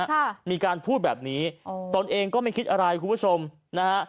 ค่ะมีการพูดแบบนี้อ๋อตนเองก็ไม่คิดอะไรคุณผู้ชมนะฮะ